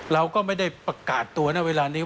เราก็ไม่ได้ประกาศตัวนะเวลานี้